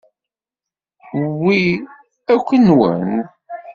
Wi akk nwen?